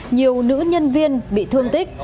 nhiều nữ nhân viên bị thương tích